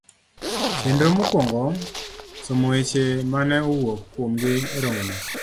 Chenro mokuongo. somo weche ma ne owuo kuomgi e romono.